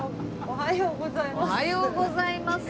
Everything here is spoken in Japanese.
おはようございます。